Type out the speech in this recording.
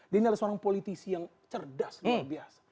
dia ini adalah seorang politisi yang cerdas luar biasa